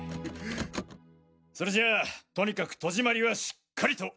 それじゃあとにかく戸締まりはしっかりと。